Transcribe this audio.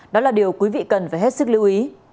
đó là điều quý vị cần phải hết sức lưu ý